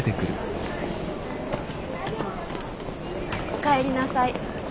お帰りなさい。